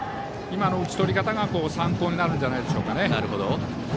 今の打ち取り方が参考になるんじゃないでしょうか。